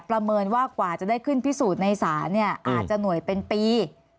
ประเมินว่ากว่าจะได้ขึ้นพิสูจน์ในศาลเนี่ยอาจจะหน่วยเป็นปี